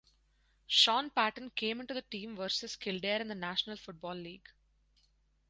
Shaun Patton came into the team versus Kildare in the National Football League.